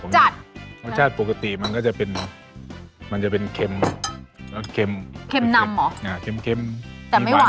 จริงรสชาติมันต้องเป็นยังไงผมไม่เคยทาน